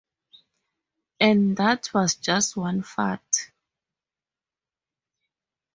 And that was just one fart.